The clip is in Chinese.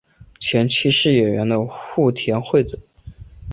前妻是演员的户田惠子。